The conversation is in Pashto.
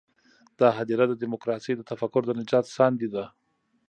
دا هدیره د ډیموکراسۍ د تفکر د نجات ساندې ده.